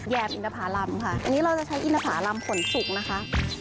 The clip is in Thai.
อินทภารำค่ะอันนี้เราจะใช้อินทภารำผลสุกนะคะ